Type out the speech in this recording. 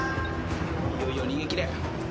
いいよいいよ逃げ切れ。